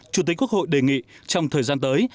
chủ tịch quốc hội đề nghị trong thời gian tới